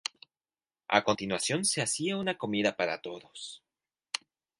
A continuación se hacía una comida para todos.